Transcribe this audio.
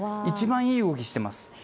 一番いい動きをしています。